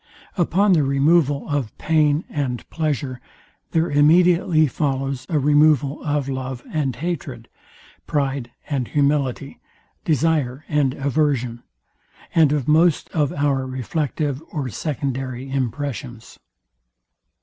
Upon the removal of pain and pleasure there immediately follows a removal of love and hatred, pride and humility, desire and aversion, and of most of our reflective or secondary impressions.